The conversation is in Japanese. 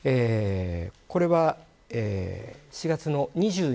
これは４月２２日